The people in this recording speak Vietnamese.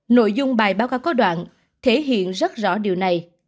nội dung bài báo cáo có đoạn thể hiện rất rõ điều này